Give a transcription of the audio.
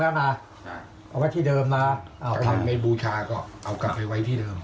ใช่เอาไว้ที่เดิมน่ะเอาทำเมฆบูชาก็เอากลับไปไว้ที่เดิม